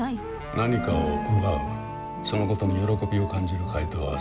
何かを奪うそのことに喜びを感じる怪盗は存在する。